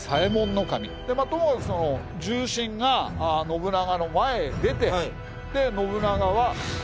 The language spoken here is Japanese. ともかく重臣が信長の前へ出て信長は。